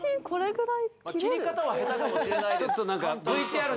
切り方は下手かもしれないです